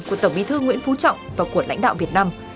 của tổng bí thư nguyễn phú trọng và của lãnh đạo việt nam